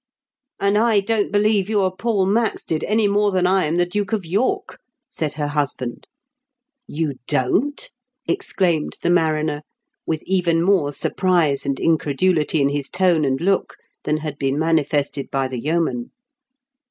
" And I don't believe you are Paul Maxted, any more than I am the Duke of York," said her husband. " You don't ?" exclaimed the mariner, with even more surprise and incredulity in his tone and look than had been manifested by the yeoman.